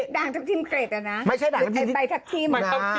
ด่างทัพทิมเกรตอ่ะนะหรือใบทัพทิม